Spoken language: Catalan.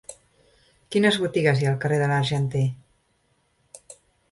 Quines botigues hi ha al carrer de l'Argenter?